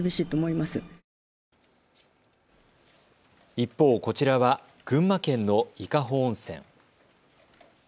一方、こちらは群馬県の伊香保温泉。